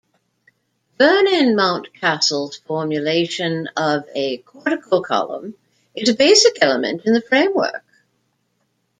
Vernon Mountcastle's formulation of a cortical column is a basic element in the framework.